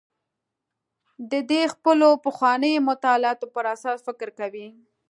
دی د خپلو پخوانیو مطالعاتو پر اساس فکر کوي.